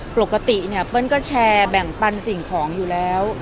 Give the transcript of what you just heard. ปกติเนี่ยเปิ้ลก็แชร์แบ่งปันสิ่งของอยู่แล้ว